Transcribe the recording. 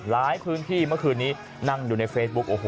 หลายพื้นที่เมื่อคืนนี้นั่งอยู่ในเฟซบุ๊ก